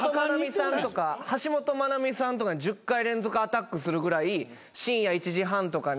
橋本マナミさんとかに１０回連続アタックするぐらい深夜１時半とかに。